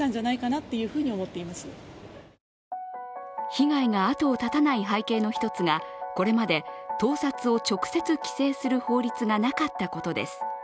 被害が後を絶たない背景の一つが、これまで盗撮を直接規制する法律がなかったことです。